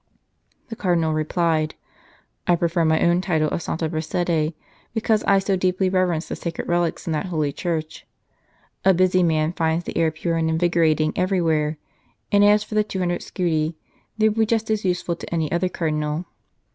The Cardinal replied :" I prefer my own title of Santa Prassede, because I so deeply reverence the sacred relics in that holy church. A busy man finds the air pure and invigorating every where ; and as for the 200 scudi, they will be just as useful to any other Cardinal."